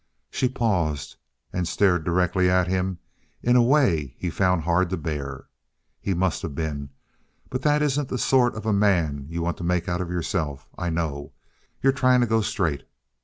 She paused and stared directly at him in a way he found hard to bear. "He must of been! But that isn't the sort of a man you want to make out of yourself. I know. You're trying to go straight.